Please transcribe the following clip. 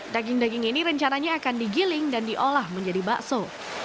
daging daging ini rencananya akan digiling dan diolah menjadi bakso